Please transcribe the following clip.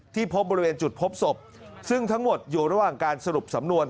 พบบริเวณจุดพบศพซึ่งทั้งหมดอยู่ระหว่างการสรุปสำนวน